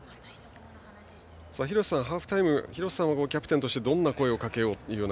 廣瀬さん、ハーフタイムキャプテンとしてどんな声をかけようと。